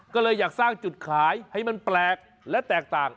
ก็เลยอยากสร้างจุดขายให้มันแปลกและแตกต่าง